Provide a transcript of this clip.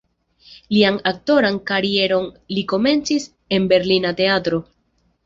Lian aktoran karieron li komencis en berlina teatro.